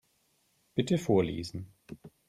Bitte vorlesen.